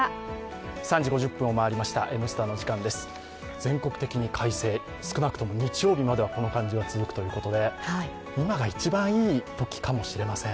全国的に快晴、少なくとも日曜日まではこの感じは続くということで今が一番いいときかもしれません。